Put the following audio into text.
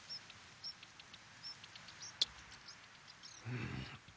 うん。